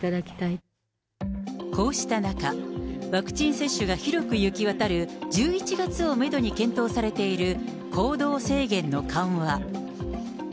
こうした中、ワクチン接種が広く行き渡る１１月をメドに検討されている行動制限の緩和。